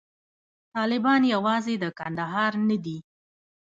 طالبان یوازې د کندهار نه دي.